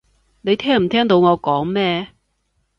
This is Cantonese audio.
你聽唔聽到我講咩？